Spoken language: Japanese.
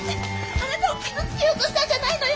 あなたを傷つけようとしたんじゃないのよ！